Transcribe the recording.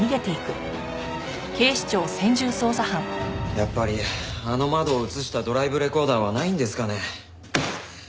やっぱりあの窓を映したドライブレコーダーはないんですかね？